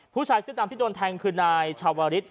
ผู้ชายเสื้อดำที่โดนแทงคือนายชาวริส